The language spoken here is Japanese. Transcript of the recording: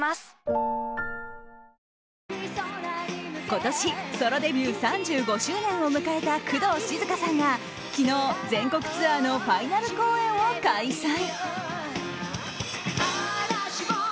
今年、ソロデビュー３５周年を迎えた工藤静香さんが昨日、全国ツアーのファイナル公演を開催。